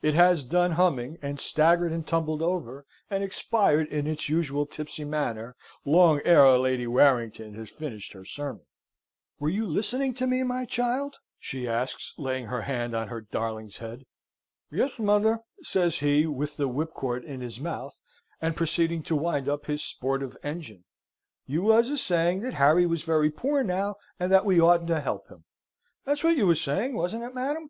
It has done humming, and staggered and tumbled over, and expired in its usual tipsy manner, long ere Lady Warrington has finished her sermon. "Were you listening to me, my child?" she asks, laying her hand on her darling's head. "Yes, mother," says he, with the whipcord in his mouth, and proceeding to wind up his sportive engine. "You was a saying that Harry was very poor now, and that we oughtn't to help him. That's what you was saying; wasn't it, madam?"